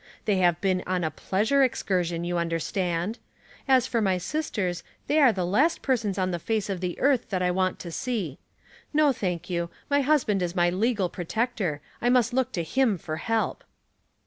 They have been oa a pleasure excur sion, you understand. As for my sisters, they are the last persons on the face of the earth tiiat I want to see. No, thank you, my husband is my legal protector. I must look to him for help.'